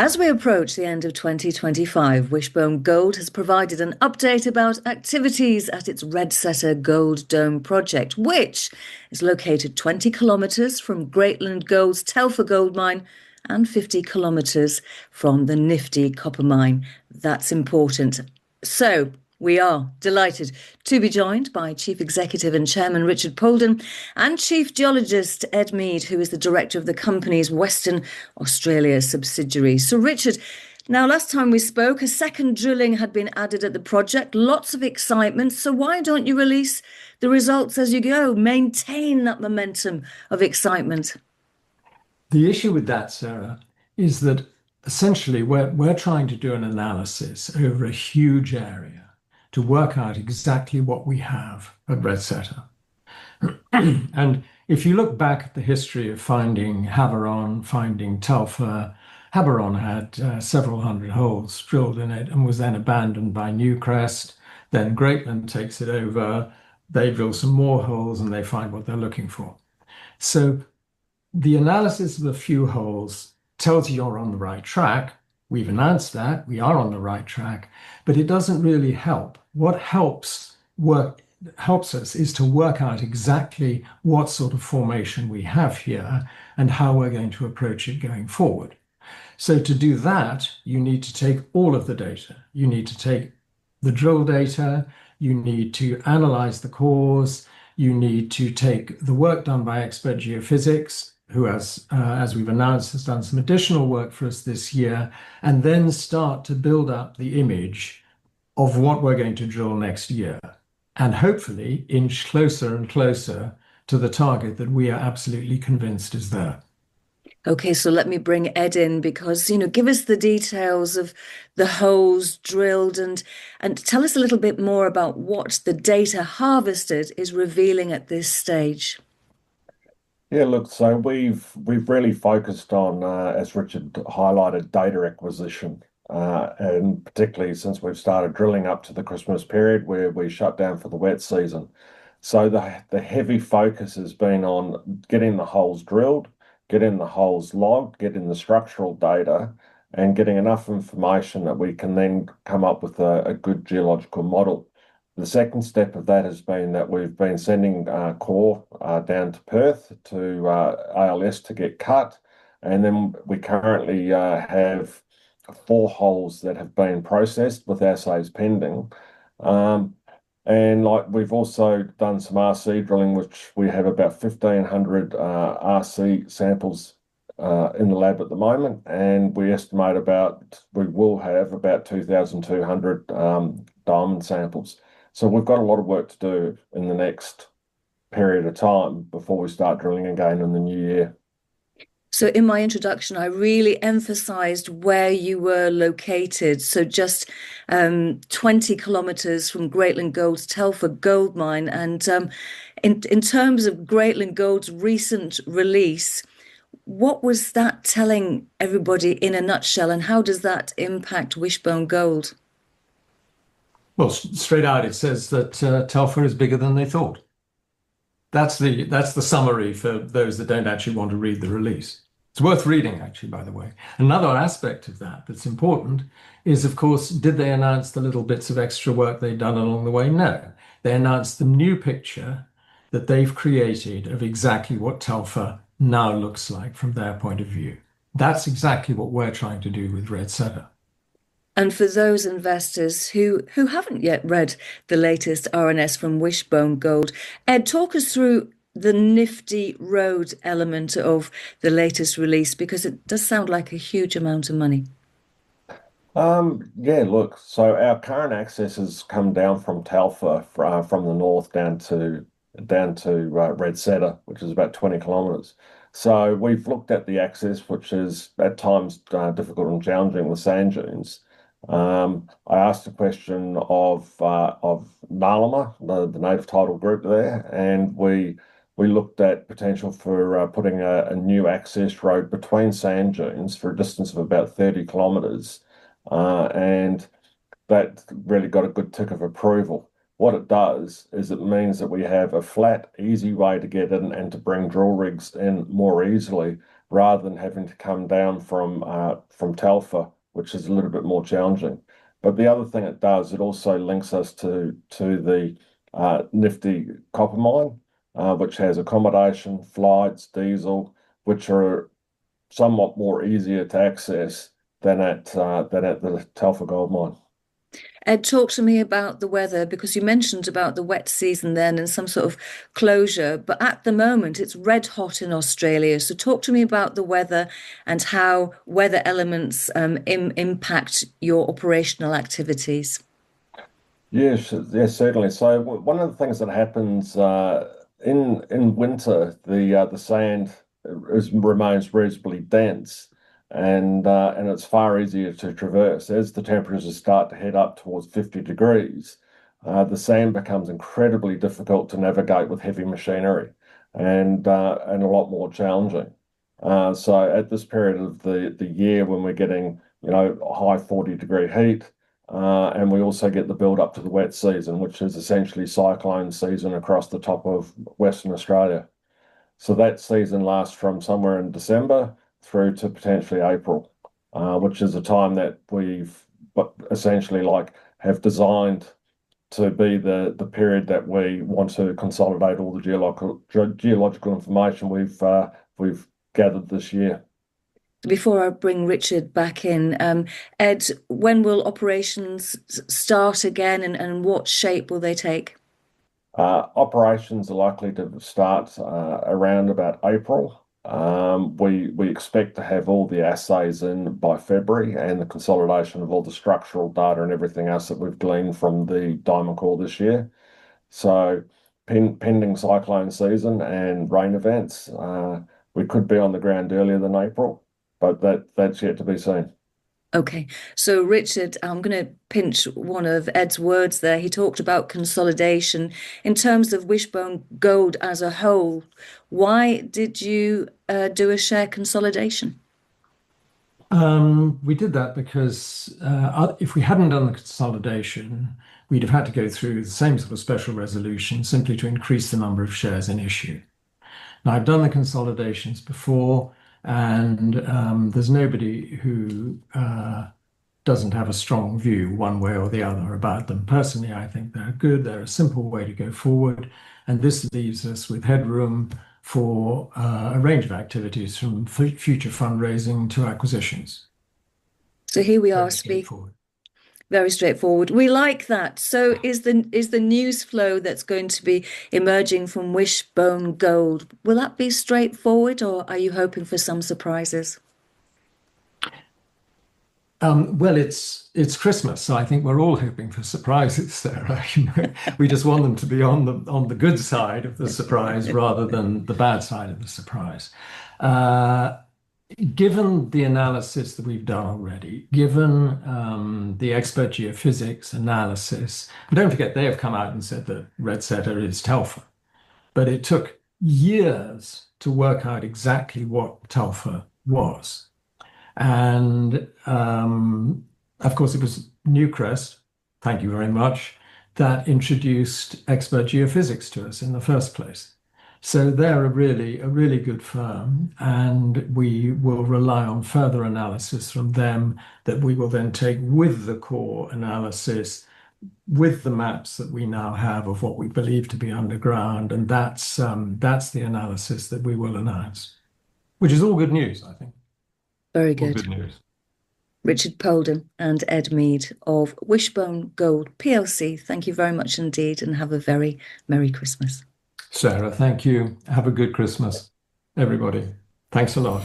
As we approach the end of 2025, Wishbone Gold has provided an update about activities at its Red Setter Gold Dome project, which is located 20 km from Greatland Gold's Telfer Gold Mine and 50 km from the Nifty Copper Mine. That's important. We are delighted to be joined by Chief Executive and Chairman, Richard Poulden, and Chief Geologist, Ed Mead, who is the director of the company's Western Australia subsidiary. Richard, now last time we spoke, a second drilling had been added at the project. Lots of excitement. Why don't you release the results as you go? Maintain that momentum of excitement. The issue with that, Sarah, is that essentially we're trying to do an analysis over a huge area to work out exactly what we have at Red Setter. If you look back at the history of finding Havieron, finding Telfer, Havieron had several hundred holes drilled in it and was then abandoned by Newcrest, then Greatland takes it over. They drill some more holes and they find what they're looking for. The analysis of a few holes tells you're on the right track. We've announced that. We are on the right track, but it doesn't really help. What helps us is to work out exactly what sort of formation we have here and how we're going to approach it going forward. To do that, you need to take all of the data. You need to take the drill data, you need to analyze the cores, you need to take the work done by Expert Geophysics, who has, as we've announced, done some additional work for us this year, and then start to build up the image of what we're going to drill next year, and hopefully inch closer and closer to the target that we are absolutely convinced is there. Okay. Let me bring Ed in because give us the details of the holes drilled and tell us a little bit more about what the data harvested is revealing at this stage. Yeah, look, we've really focused on, as Richard highlighted, data acquisition, and particularly since we've started drilling up to the Christmas period where we shut down for the wet season. The heavy focus has been on getting the holes drilled, getting the holes logged, getting the structural data, and getting enough information that we can then come up with a good geological model. The second step of that has been that we've been sending core down to Perth, to ALS to get cut, and then we currently have four holes that have been processed with assays pending. We've also done some RC drilling, which we have about 1,500 RC samples in the lab at the moment, and we estimate about, we will have about 2,200 diamond samples. We've got a lot of work to do in the next period of time before we start drilling again in the new year. In my introduction, I really emphasized where you were located. Just 20 km from Greatland Gold's Telfer Gold Mine. In terms of Greatland Gold's recent release, what was that telling everybody in a nutshell, and how does that impact Wishbone Gold? Well, straight out it says that Telfer is bigger than they thought. That's the summary for those that don't actually want to read the release. It's worth reading actually, by the way. Another aspect of that that's important is of course, did they announce the little bits of extra work they'd done along the way? No. They announced the new picture that they've created of exactly what Telfer now looks like from their point of view. That's exactly what we're trying to do with Red Setter. For those investors who haven't yet read the latest RNS from Wishbone Gold, Ed, talk us through the Nifty road element of the latest release because it does sound like a huge amount of money. Yeah, look, our current access has come down from Telfer from the north down to Red Setter, which is about 20 km. We've looked at the access, which is at times difficult and challenging with sand dunes. I asked a question of Nyamal, the native title group there, and we looked at potential for putting a new access road between sand dunes for a distance of about 30 km. That really got a good tick of approval. What it does is it means that we have a flat, easy way to get in and to bring drill rigs in more easily rather than having to come down from Telfer, which is a little bit more challenging. The other thing it does, it also links us to the Nifty Copper Mine, which has accommodation, flights, diesel, which are somewhat more easier to access than at the Telfer Gold Mine. Ed, talk to me about the weather, because you mentioned about the wet season then and some sort of closure, but at the moment it's red hot in Australia. Talk to me about the weather and how weather elements impact your operational activities. Yes. Certainly. One of the things that happens, in winter, the sand remains reasonably dense and it's far easier to traverse. As the temperatures start to head up towards 50 degrees, the sand becomes incredibly difficult to navigate with heavy machinery and a lot more challenging. At this period of the year when we're getting high 40-degree heat, and we also get the build-up to the wet season, which is essentially cyclone season across the top of Western Australia. That season lasts from somewhere in December through to potentially April, which is a time that we've essentially designed to be the period that we want to consolidate all the geological information we've gathered this year. Before I bring Richard back in, Ed, when will operations start again, and what shape will they take? Operations are likely to start around about April. We expect to have all the assays in by February and the consolidation of all the structural data and everything else that we've gleaned from the diamond core this year. Pending cyclone season and rain events, we could be on the ground earlier than April, but that's yet to be seen. Okay. Richard, I'm going to pinch one of Ed's words there. He talked about consolidation. In terms of Wishbone Gold as a whole, why did you do a share consolidation? We did that because, if we hadn't done the consolidation, we'd have had to go through the same sort of special resolution simply to increase the number of shares in issue. Now, I've done the consolidations before, and there's nobody who doesn't have a strong view one way or the other about them. Personally, I think they're good. They're a simple way to go forward, and this leaves us with headroom for a range of activities from future fundraising to acquisitions. Here we are- Very straightforward. Very straightforward. We like that. Is the news flow that's going to be emerging from Wishbone Gold? Will that be straightforward, or are you hoping for some surprises? Well, it's Christmas, so I think we're all hoping for surprises, Sarah. We just want them to be on the good side of the surprise rather than the bad side of the surprise. Given the analysis that we've done already, given the Expert Geophysics analysis. Don't forget, they have come out and said that Red Setter is Telfer, but it took years to work out exactly what Telfer was. Of course, it was Newcrest, thank you very much, that introduced Expert Geophysics to us in the first place. They're a really good firm, and we will rely on further analysis from them that we will then take with the core analysis, with the maps that we now have of what we believe to be underground, and that's the analysis that we will announce. Which is all good news, I think. Very good. All good news. Richard Poulden and Ed Mead of Wishbone Gold PLC, thank you very much indeed, and have a very merry Christmas. Sarah, thank you. Have a good Christmas, everybody. Thanks a lot.